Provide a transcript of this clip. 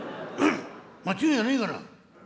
間違いはねえから。